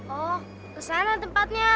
oh kesana tempatnya